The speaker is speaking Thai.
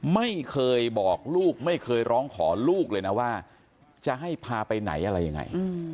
ไม่เคยบอกลูกไม่เคยร้องขอลูกเลยนะว่าจะให้พาไปไหนอะไรยังไง